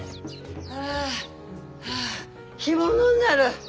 はあはあ干物になる！